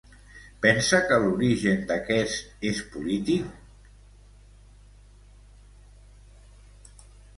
Pensa que l'origen d'aquest és polític?